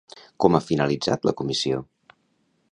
Com ha finalitzat la comissió?